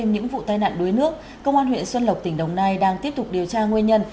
những vụ tai nạn đuối nước công an huyện xuân lộc tỉnh đồng nai đang tiếp tục điều tra nguyên nhân